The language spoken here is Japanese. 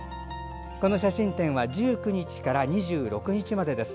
写真展は１９日から２６日まで。